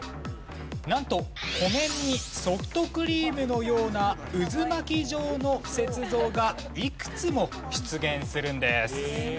なんと湖面にソフトクリームのような渦巻き状の雪像がいくつも出現するんです。